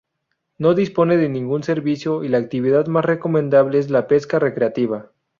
No dispone de ningún servicio y la actividad más recomendable es la pesca recreativa.